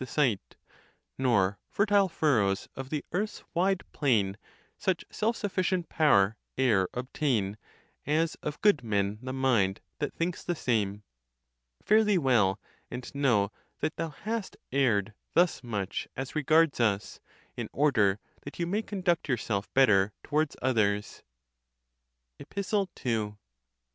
479 Nor fertile furrows of the earth's wide plain Such self sufficient power e'er obtain, \ As of good men the mind, that thinks the same.! Fare thee well, and know that thou hast erred thus much as regards us, in order that you may conduct yourself better to wards others. EPISTLE II.